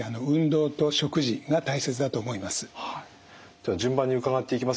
では順番に伺っていきます。